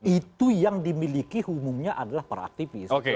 itu yang dimiliki umumnya adalah para aktivis